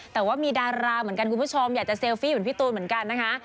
แต่ว่ามีดาราเหมือนกันคุณผู้ชมอยากจะเซลฟี่เหมือนพี่ตูนเหมือนกันนะคะ